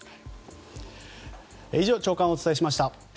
以上朝刊をお伝えしました。